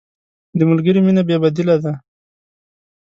د ملګري مینه بې بدیله ده.